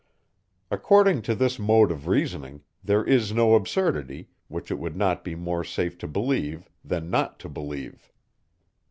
According to this mode of reasoning, there is no absurdity, which it would not be more safe to believe, than not to believe.